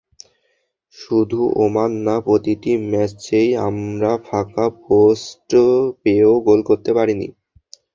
শুধু ওমান না, প্রতিটি ম্যাচেই আমরা ফাঁকা পোস্ট পেয়েও গোল করতে পারিনি।